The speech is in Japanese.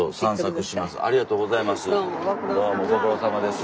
ありがとうございます。